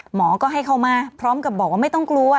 หมอก็ให้เข้ามาพร้อมกับบอกว่าไม่ต้องกลัว